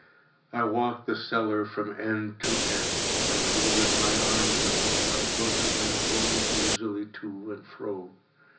I walked the cellar from end to end. I folded my arms upon my bosom, and roamed easily to and fro.